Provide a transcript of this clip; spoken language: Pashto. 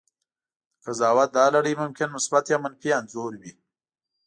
د قضاوت دا لړۍ ممکن مثبت یا منفي انځور وي.